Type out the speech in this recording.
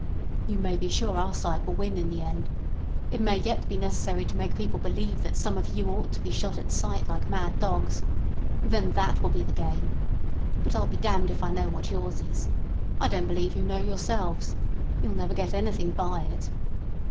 "You may be sure our side will win in the end. It may yet be necessary to make people believe that some of you ought to be shot at sight like mad dogs. Then that will be the game. But I'll be damned if I know what yours is. I don't believe you know yourselves. You'll never get anything by it."